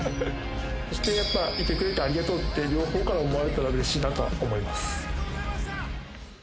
そしてやっぱいてくれてありがとうって両方から思われたら嬉しいなとは思います。